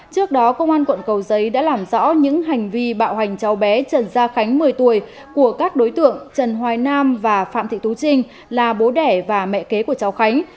trước đó công an quận cầu giấy đã làm rõ những hành vi bạo hành cháu bé trần gia khánh một mươi tuổi của các đối tượng trần hoài nam và phạm thị tú trinh là bố đẻ và mẹ kế của cháu khánh